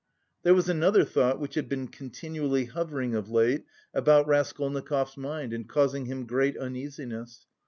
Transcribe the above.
There was another thought which had been continually hovering of late about Raskolnikov's mind, and causing him great uneasiness.